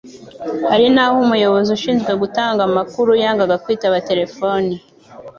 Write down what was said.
Hari n'aho umuyobozi ushinzwe gutanga amakuru yangaga kwitaba terefoni